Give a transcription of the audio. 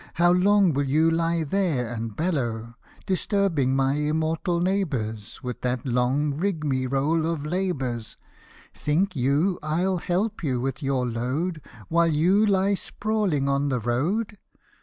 How long will you lie there and bellow ? Disturbing my immortal neighbours, With that long rig me roll of labours ! Think you, I'll help you with your load, While you lie sprawling on the road